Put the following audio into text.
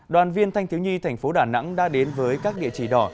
đoàn viên thanh thiếu nhi thành phố đà nẵng đã đến với các địa chỉ đỏ